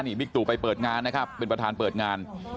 นี่บิ๊กตู่ไปเปิดงานนะครับเป็นประธานเปิดงาน